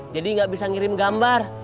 jadi gak bisa ngirim gambar